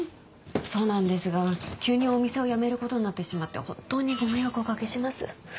そうなんですが急にお店を辞めることになってしまって本当にご迷惑をお掛けします。